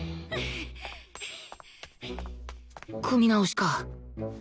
くみ直しか